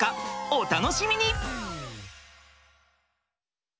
お楽しみに！